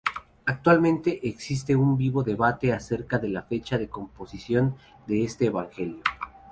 Actualmente existe un vivo debate acerca de la fecha de composición de este evangelio.